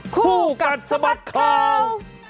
คู่กัดสะบัดข่าว